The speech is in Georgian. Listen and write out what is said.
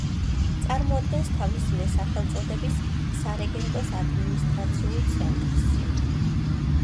წარმოადგენს თავისივე სახელწოდების სარეგენტოს ადმინისტრაციულ ცენტრს.